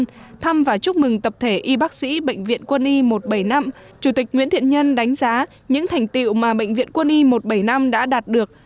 trong chuyến thăm và chúc mừng tập thể y bác sĩ bệnh viện quân y một trăm bảy mươi năm chủ tịch nguyễn thiện nhân đánh giá những thành tiệu mà bệnh viện quân y một trăm bảy mươi năm đã đạt được